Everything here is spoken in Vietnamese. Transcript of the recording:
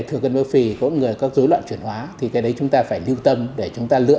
thừa cân béo phì có người có dối loạn chuyển hóa thì cái đấy chúng ta phải lưu tâm để chúng ta lựa